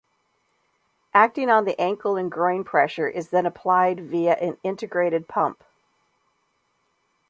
Acting on the ankle and groin pressure is then applied via an integrated pump.